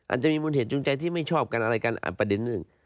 อาจจะมีมูลเหตุจูงใจที่ไม่ชอบกันอะไรกันประเด็นหนึ่ง